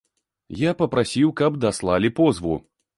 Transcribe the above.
Я папрасіў, каб даслалі позву.